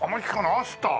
アスター。